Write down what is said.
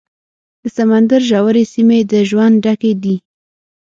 د سمندر ژورې سیمې د ژوند ډکې دي.